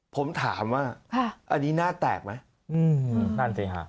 ผมถามว่าอันนี้น่าแตกไหม